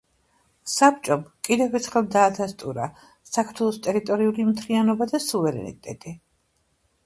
საბჭომ, კიდევ ერთხელ დაადასტურა საქართველოს ტერიტორიული მთლიანობა და სუვერენიტეტი.